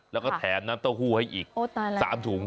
แล้วก็แถมน้ำเต้าหู้ให้อีก๓ถุง